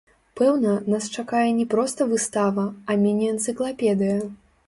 Пэўна, нас чакае не проста выстава, а міні-энцыклапедыя.